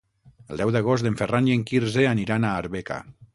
El deu d'agost en Ferran i en Quirze aniran a Arbeca.